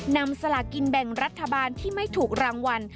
สลากินแบ่งรัฐบาลที่ไม่ถูกรางวัล